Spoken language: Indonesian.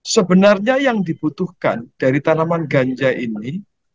sebenarnya yang dibutuhkan dari tanaman ganja ini